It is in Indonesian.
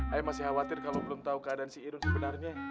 ayo masih khawatir kalo belum tau keadaan si irun sebenarnya